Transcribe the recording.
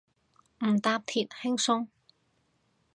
唔搭鐵，輕鬆